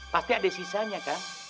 pasti ada sisanya kan